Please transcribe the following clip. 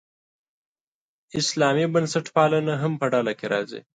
اسلامي بنسټپالنه هم په ډله کې راځي.